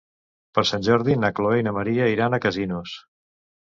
Per Sant Jordi na Chloé i na Maria iran a Casinos.